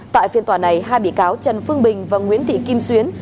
tại phiên tòa này hai bị cáo trần phương bình và nguyễn thị kim xuyến